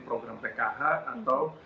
program pkh atau